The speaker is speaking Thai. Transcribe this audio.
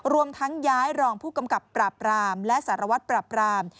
รวมทั้งย้ายรองผู้กำกับปราบรามและสารวัตรปราบราม